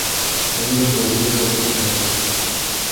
Ha sido producido por siete generaciones.